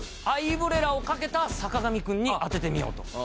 アイブレラをかけた坂上くんに当ててみようと。